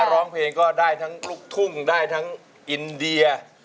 ร้องเพลงก็ได้ทั้งลูกทุ่งได้ทั้งอินเดีย